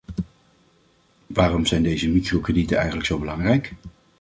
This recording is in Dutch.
Waarom zijn deze microkredieten eigenlijk zo belangrijk?